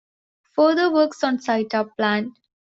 Further works on site are planned.